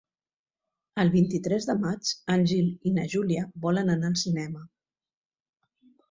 El vint-i-tres de maig en Gil i na Júlia volen anar al cinema.